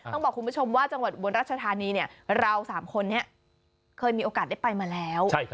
ต้องบอกคุณผู้ชมว่าจังหวัดอุบลรัชธานีเรา๓คนนี้เคยมีโอกาสได้ไปมาแล้ว